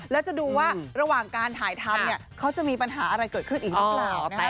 แล้วจะดูว่าระหว่างการถ่ายทำเนี่ยเขาจะมีปัญหาอะไรเกิดขึ้นอีกหรือเปล่านะคะ